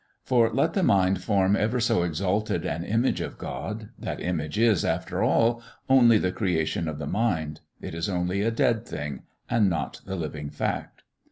For let the mind form ever so exalted an image of God, that image is, after all, only the creation of the mind; it is only a dead thing, and not the living fact.